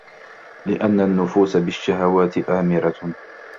لِأَنَّ النُّفُوسَ بِالشَّهَوَاتِ آمِرَةٌ